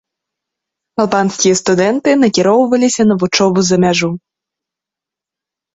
Албанскія студэнты накіроўваліся на вучобу за мяжу.